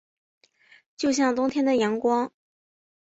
就像冬天的阳光